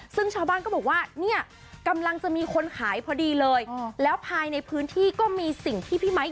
ซึ่งชาวบ้านก็บอกว่าเนี่ยกำลังจะมีคนขายพอดีเลยแล้วภายในพื้นที่ก็มีสิ่งที่พี่ไม้